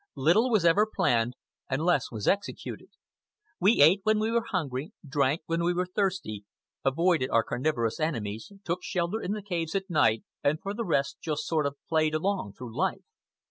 Little was ever planned, and less was executed. We ate when we were hungry, drank when we were thirsty, avoided our carnivorous enemies, took shelter in the caves at night, and for the rest just sort of played along through life.